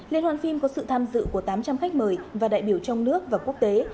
liên hoàn phim có sự tham dự của tám trăm linh khách mời và đại biểu trong nước và quốc tế